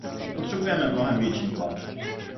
Potřebujeme mnohem větší tlak.